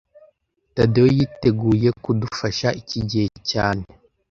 Tadeyo yiteguye kudufasha iki gihe cyane